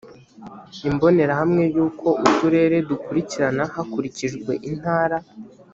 imbonerahamwe y’uko uturere dukurikirana hakurikijwe intara